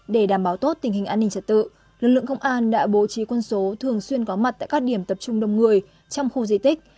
để đảm bảo tốt tình hình an ninh trật tự lực lượng công an đã bố trí quân số thường xuyên có mặt tại các điểm tập trung đông người trong khu di tích